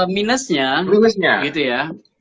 minusnya gitu ya